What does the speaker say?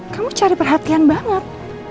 kamu cari perhatian banget